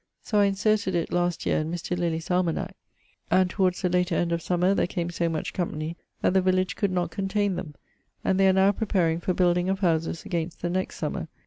So I inserted it last yeare in Mr. Lilly's almanac, and towards the later end of summer there came so much company that the village could not containe them, and they are now preparing for building of houses against the next summer.